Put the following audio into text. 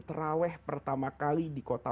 terawih pertama kali di kota